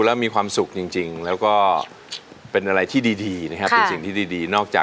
แล้วเราจะเอาไปช่วยล้างยังไง